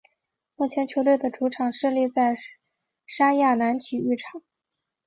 目前球队的主场设立在莎亚南体育场。